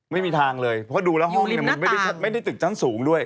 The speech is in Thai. ไม่มีทางเลยเพราะดูแล้วห้องเนี่ยมันไม่ได้ตึกชั้นสูงด้วย